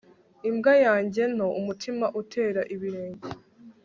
imbwa yanjye nto - umutima utera ibirenge